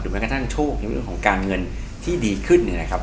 แม้กระทั่งโชคในเรื่องของการเงินที่ดีขึ้นเนี่ยนะครับ